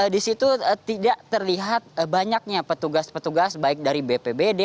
di situ tidak terlihat banyaknya petugas petugas baik dari bpbd